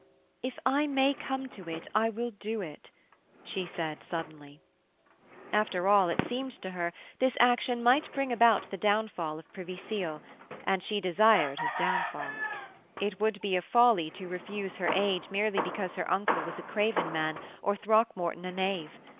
'If I may come to it, I will do it,' she said suddenly. After all, it seemed to her, this action might bring about the downfall of Privy Seal and she desired his downfall. It would be a folly to refuse her aid merely because her uncle was a craven man or Throckmorton a knave.